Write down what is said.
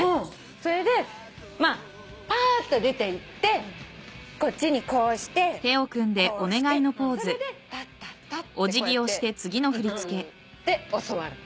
それでまあぱーっと出ていってこっちにこうしてこうしてそれでタッタッタってこうやっていくって教わるの。